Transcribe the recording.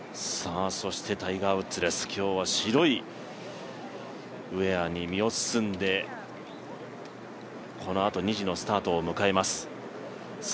そしてタイガー・ウッズです、今日は白いウエアに身を包んでこのあと２時のスタートを迎えます。